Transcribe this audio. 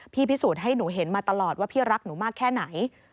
พิสูจน์ให้หนูเห็นมาตลอดว่าพี่รักหนูมากแค่ไหน